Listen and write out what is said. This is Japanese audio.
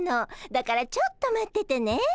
だからちょっと待っててね。